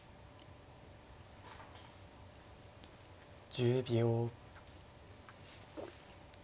１０秒。